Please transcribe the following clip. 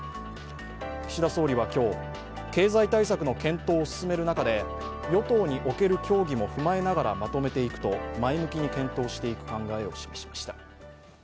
岸田総理は今日、経済対策の検討を進める中で与党における協議も踏まえながら前向きに検討していく考えを示しました。